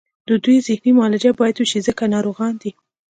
د دوی ذهني معالجه باید وشي ځکه ناروغان دي